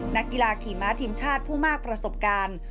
นักกีฬาขี่ม้าทีมชาติผู้มากประสบการณ์